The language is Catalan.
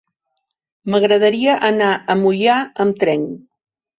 M'agradaria anar a Moià amb tren.